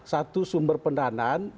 satu sumber pendanaan